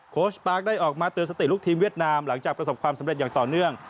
โค้ชปาร์คได้ออกมาเตือนสติลูกทีมเวียดนามหลังจากประสบความสำเร็จอย่างต่อเนื่อง